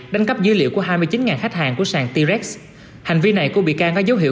đánh cắp dữ liệu của hai mươi chín khách hàng của trang t rex hành vi này của bị can có dấu hiệu